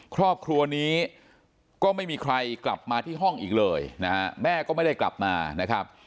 ครอบครัวนี้ก็ไม่มีใครกลับมาที่ห้องอีกเลยนะฮะแม่ก็ไม่ได้กลับมานะครับ